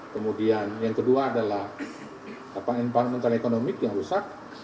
kemudian yang kedua adalah environmental economic yang rusak